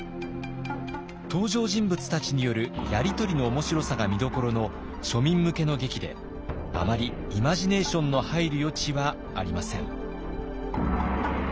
登場人物たちによるやりとりの面白さが見どころの庶民向けの劇であまりイマジネーションの入る余地はありません。